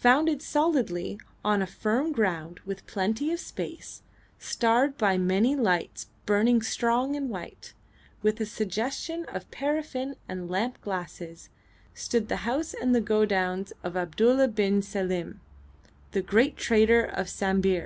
Founded solidly on a firm ground with plenty of space, starred by many lights burning strong and white, with a suggestion of paraffin and lamp glasses, stood the house and the godowns of Abdulla bin Selim, the great trader of Sambir.